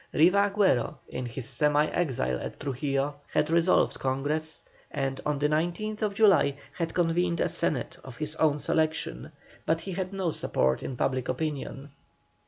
Riva Agüero, in his semi exile at Trujillo, had dissolved Congress, and on the 19th July had convened a Senate of his own selection, but he had no support in public opinion.